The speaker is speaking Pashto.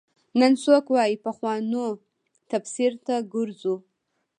نن څوک وايي پخوانو تفسیر ته ګرځو.